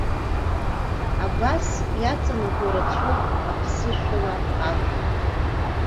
Абас иаҵанакуа рацәоуп аԥсышәала ажәа.